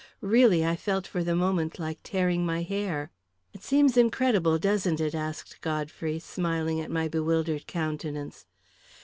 Really, I felt for the moment like tearing my hair. "It seems incredible, doesn't it?" asked Godfrey, smiling at my bewildered countenance.